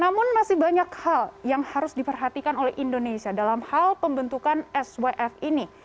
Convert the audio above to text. namun masih banyak hal yang harus diperhatikan oleh indonesia dalam hal pembentukan swf ini